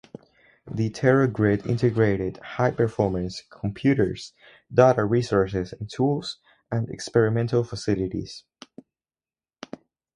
The TeraGrid integrated high-performance computers, data resources and tools, and experimental facilities.